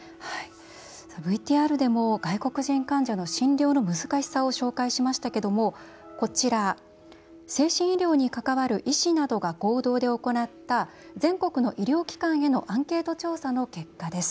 ＶＴＲでも外国人患者の診療の難しさを紹介しましたけどもこちら、精神医療に関わる医師などが合同で行った全国の医療機関へのアンケート調査の結果です。